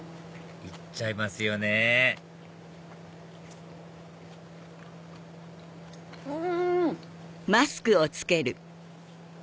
行っちゃいますよねうん！